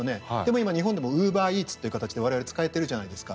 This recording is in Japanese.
今、日本でもウーバーイーツという形で我々使っているじゃないですか。